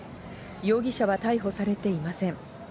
容疑者は逮捕されていません。